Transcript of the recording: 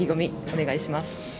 お願いします。